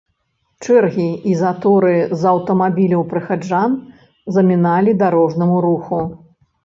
Чэргі і заторы з аўтамабіляў прыхаджан заміналі дарожнаму руху.